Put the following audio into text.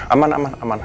aman aman aman